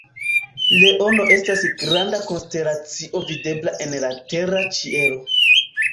Leono estas granda konstelacio videbla en la tera ĉielo.